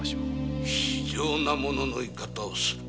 非情なものの言い方をする。